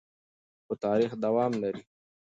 خو تاریخ دوام لري.